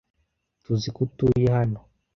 Tuziko utuye hano.